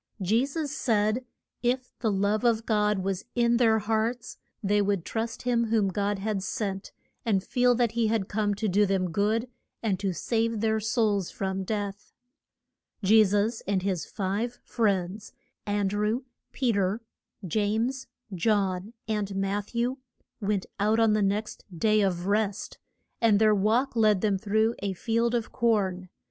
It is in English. Je sus said if the love of God was in their hearts they would trust him whom God had sent, and feel that he had come to do them good, and to save their souls from death. [Illustration: IN THE CORN FIELDS.] Je sus and his five friends, An drew, Pe ter, James, John, and Matth ew, went out on the next Day of Rest, and their walk led them through a field of corn.